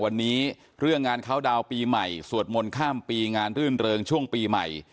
วันนี้เรื่องงานเข้าดาวน์ปีใหม่สวดมนต์ข้ามปีงานรื่นเริงช่วงปีใหม่